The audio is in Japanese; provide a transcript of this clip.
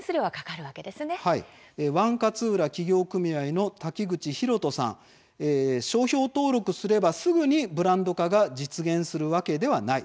ＯＮＥ勝浦企業組合の滝口裕都さんは商標を登録すれば、すぐにブランド化が実現するわけではない。